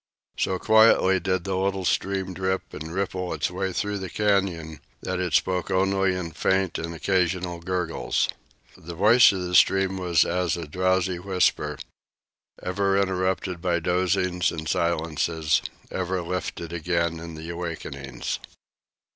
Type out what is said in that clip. So quietly did the little stream drip and ripple its way through the canyon that it spoke only in faint and occasional gurgles. The voice of the stream was as a drowsy whisper, ever interrupted by dozings and silences, ever lifted again in the awakenings.